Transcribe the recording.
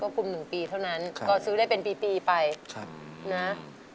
ครอบคลุม๑ปีเท่านั้นก็ซื้อได้เป็นปีไป